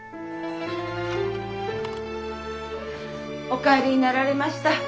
・お帰りになられました。